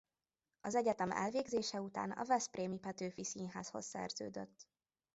Az egyetem elvégzése után a Veszprémi Petőfi Színházhoz szerződött.